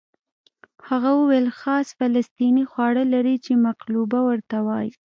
هغه وویل خاص فلسطیني خواړه لري چې مقلوبه ورته وایي.